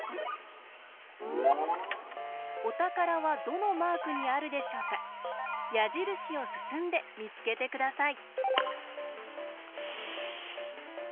おたからはどのマークにあるでしょうか？やじるしをすすんでみつけてください。